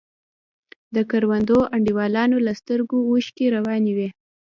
د ګردو انډيوالانو له سترگو اوښکې روانې وې.